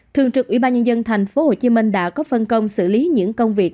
thường trực ủy ban nhân dân thành phố hồ chí minh đã có phân công xử lý những công việc